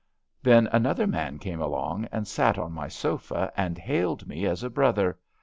'^ Then another man came along and sat on my sofa and hailed me as a brother.